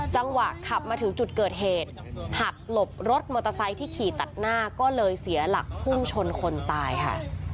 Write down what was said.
จังหวะขับมาถึงจุดเกิดเหตุหักหลบรถมอเตอร์ไซค์ที่ขี่ตัดหน้าก็เลยเสียหลักพุ่งชนคนตายค่ะ